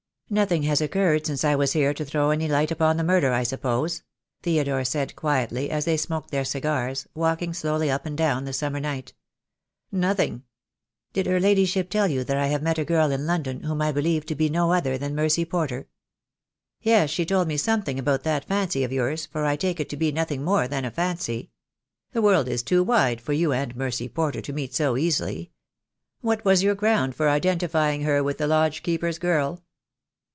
"Nothing has occurred since I was here to throw any new light upon the murder, I suppose?" Theodore said quietly, as they smoked their cigars, walking slowly up and down in the summer night. "Nothing." "Did her ladyship tell you that I have met a girl in London, whom I believe to be no other than Mercy Porter?" "Yes, she told me something about that fancy of yours, for I take it to be nothing more than a fancy. The world is too wide for you and Mercy Porter to meet so easily. What was your ground for identifying her with the lodge keeper's girl?"